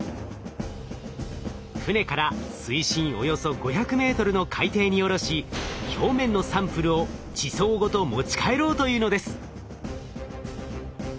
船から水深およそ５００ｍの海底に下ろし表面のサンプルを地層ごと持ち帰ろうというのです。